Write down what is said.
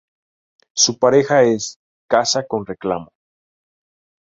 Su pareja es "Caza con reclamo".